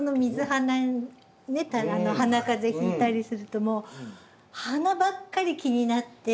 鼻かぜひいたりするともう鼻ばっかり気になって。